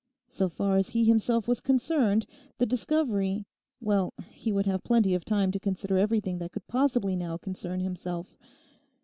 So far as he himself was concerned the discovery—well, he would have plenty of time to consider everything that could possibly now concern himself.